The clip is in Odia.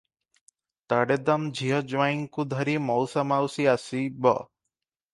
ତଡ଼େଦମ୍ ଝିଅ ଜୁଆଇଁଙ୍କୁ ଧରି ମଉସା ମାଉସୀ ଆସିବ ।